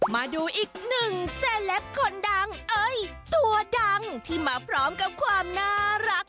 มาดูอีกหนึ่งเซลปคนดังเอ้ยตัวดังที่มาพร้อมกับความน่ารัก